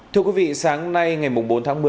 thưa quý vị sáng nay ngày bốn tháng một mươi